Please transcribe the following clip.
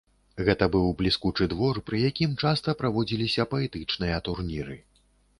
Гэта быў бліскучы двор, пры якім часта праводзіліся паэтычныя турніры.